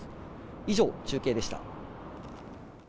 以上、中継でした。